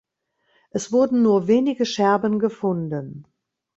Es wurden nur wenige Scherben gefunden.